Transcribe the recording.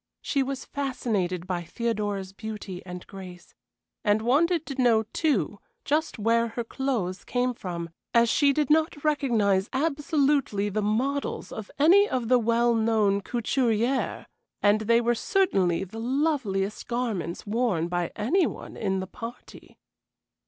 She was fascinated by Theodora's beauty and grace, and wanted to know, too, just where her clothes came from, as she did not recognize absolutely the models of any of the well known couturières, and they were certainly the loveliest garments worn by any one in the party.